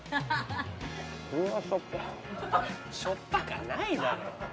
しょっぱかないだろ。